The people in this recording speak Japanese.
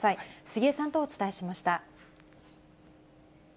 杉江さんとお伝えしました。